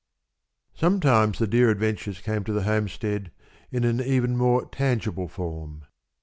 Sometimes the dear adventures came to the homestead in an even more tangible form.